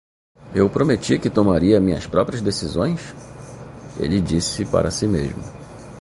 "Eu prometi que tomaria minhas próprias decisões?", ele disse para si mesmo.